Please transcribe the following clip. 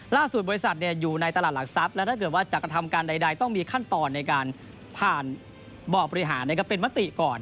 บริษัทอยู่ในตลาดหลักทรัพย์และถ้าเกิดว่าจะกระทำการใดต้องมีขั้นตอนในการผ่านบ่อบริหารเป็นมติก่อน